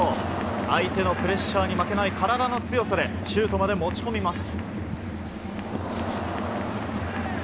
相手のプレッシャーに負けない体の強さでシュートまで持ち込みます。